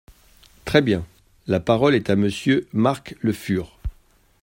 Très bien ! La parole est à Monsieur Marc Le Fur.